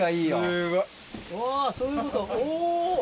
うわそういうことおぉ！